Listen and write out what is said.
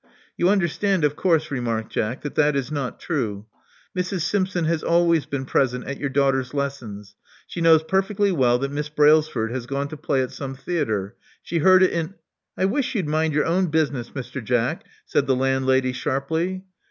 You understand, of course," remarked Jack, that that is not true. Mrs. Simpson has always been present at your daughter's lessons. She knows per fectly well that Miss Brailsford has gone to play at some theatre. She heard it in " I wish you'd mind your own business, Mr. Jack," said the landlady, sharply.